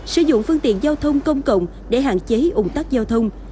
sử dụng phương tiện giao thông công cộng để hạn chế ủng tắc giao thông